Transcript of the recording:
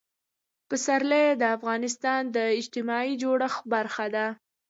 پسرلی د افغانستان د اجتماعي جوړښت برخه ده.